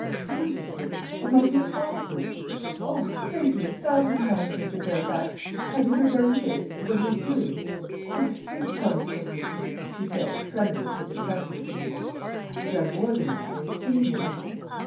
"News of him of my dear Austin? O, thank you a thousand times, Mr. Fairfax! Have you heard where he is, and what he is doing? Pray, pray tell me quickly!" she said, tremulous with excitement. "I have done more than that: I have seen him."